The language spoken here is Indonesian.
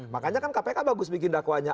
makanya kan kpk bagus bikin dakwanya